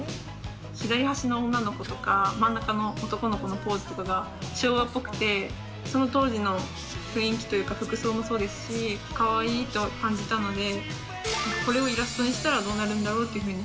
左端の女の子とか、真ん中の男の子のポーズとかが昭和っぽくて、その当時の雰囲気というか、服装もそうですし、かわいいと感じたので、これをイラストにしたらどうなるんだろうっていうふうに。